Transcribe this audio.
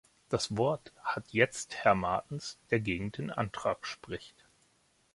Das Wort hat jetzt Herr Martens, der gegen den Antrag spricht.